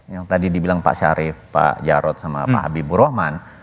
yang tadi dibilang pak syarif pak jarod sama pak habibur rahman